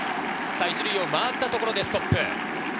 １塁を回ったところでストップ。